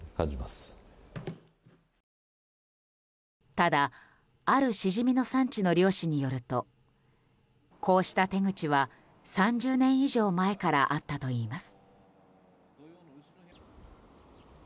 ただあるシジミの産地の漁師によるとこうした手口は３０年以上前からあったといいます。